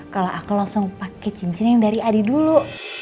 kalau aku langsung pakai cincin yang dari adi dulu